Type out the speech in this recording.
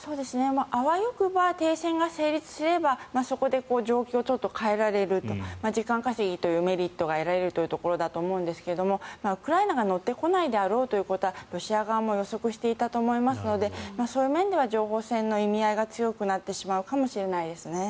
あわよくば停戦が成立すればそこで状況を変えられると時間稼ぎというメリットが得られるというところだと思うんですがウクライナが乗ってこないであろうということはロシア側も予測していたと思いますのでそういう面では情報戦の意味合いが強くなってしまうかもしれませんね。